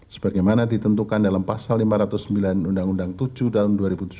sebagaimana ditentukan dalam pasal lima ratus sembilan undang undang tujuh tahun dua ribu tujuh belas